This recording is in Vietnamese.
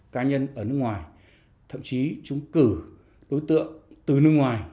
cá nhân ở nước ngoài thậm chí chúng cử đối tượng từ nước ngoài